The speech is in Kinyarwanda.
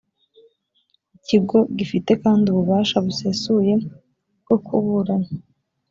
ikigo gifite kandi ububasha busesuye bwo kuburana